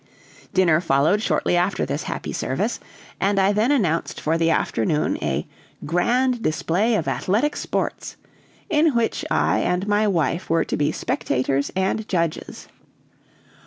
Dinner followed shortly after this happy service, and I then announced for the afternoon a "Grand Display of Athletic Sports," in which I and my wife were to be spectators and judges.